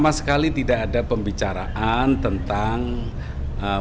sama sekali tidak ada pembicaraan tentang mas surya paloh